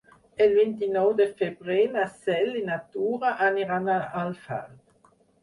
El vint-i-nou de febrer na Cel i na Tura aniran a Alfarb.